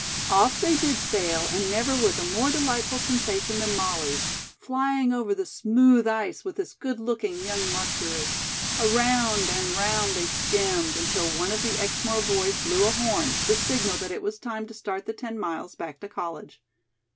Off they did sail and never was a more delightful sensation than Molly's, flying over the smooth ice with this good looking young Mercury. Around and round they skimmed, until one of the Exmoor boys blew a horn, the signal that it was time to start the ten miles back to college.